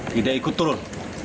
tidak ikut turun